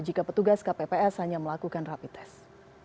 jika petugas kpps hanya melakukan rapid test